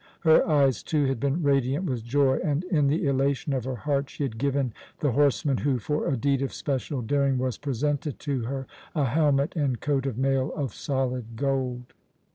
Her eyes, too, had been radiant with joy and, in the elation of her heart, she had given the horseman who, for a deed of special daring, was presented to her, a helmet and coat of mail of solid gold.